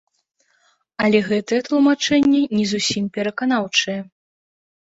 Але гэтае тлумачэнне не зусім пераканаўчае.